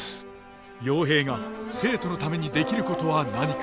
陽平が生徒のためにできることは何か。